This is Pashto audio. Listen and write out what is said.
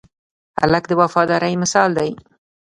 هلک د وفادارۍ مثال دی.